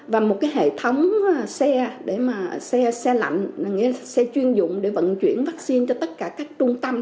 và một hệ thống xe lạnh xe chuyên dụng để vận chuyển vaccine cho tất cả các trung tâm